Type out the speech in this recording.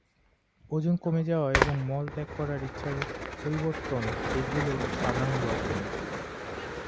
ওজন কমে যাওয়া এবং মলত্যাগ করার ইচ্ছার পরিবর্তন এইগুলো সাধারণ লক্ষণ।